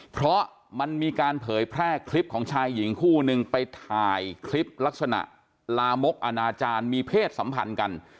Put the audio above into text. เพราะมันมีการเผยแพร่คลิปของชายหญิงคู่นึงไปถ่ายคลิปลักษณะลามกอนาจารย์มีเพศสัมพันธ์กัน